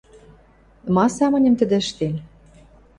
Ма самыньым тидӹ ӹштен?